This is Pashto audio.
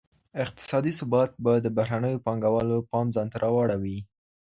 اقتصادي ثبات به د بهرنیو پانګوالو پام ځانته را واړوي.